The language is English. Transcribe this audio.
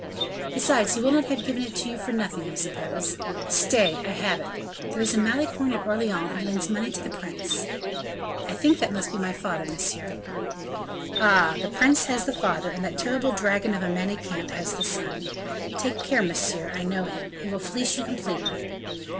"Besides he will not have given it to you for nothing, I suppose. Stay, I have it; there is a Malicorne at Orleans who lends money to the prince." "I think that must be my father, monsieur." "Ah! the prince has the father, and that terrible dragon of a Manicamp has the son. Take care, monsieur, I know him. He will fleece you completely."